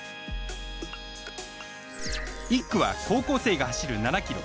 １区は、高校生が走る７ｋｍ。